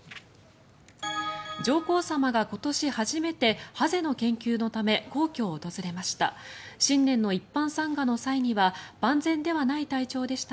上皇さまが今年初めてハゼの研究のため皇居を訪れました。